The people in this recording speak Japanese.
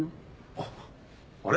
あっあれ？